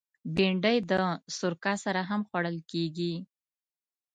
بېنډۍ د سرکه سره هم خوړل کېږي